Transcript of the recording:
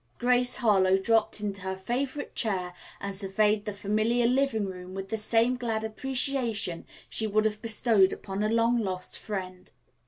Grace Harlowe dropped into her favorite chair and surveyed the familiar living room with the same glad appreciation she would have bestowed upon a long lost friend.